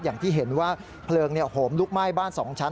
อย่างที่เห็นว่าเพลิงโหมลุกไหม้บ้าน๒ชั้น